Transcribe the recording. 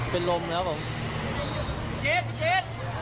เป็นลมนะครับผม